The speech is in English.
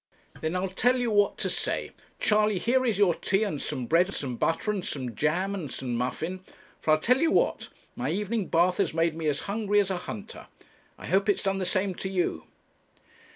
'Then I'll tell you what to say: 'Charley, here is your tea, and some bread, and some butter, and some jam, and some muffin,' for I'll tell you what, my evening bath has made me as hungry as a hunter. I hope it has done the same to you.'